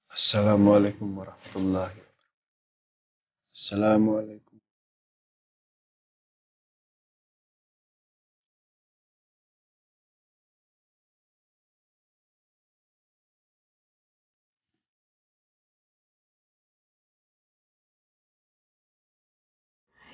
assalamualaikum warahmatullahi wabarakatuh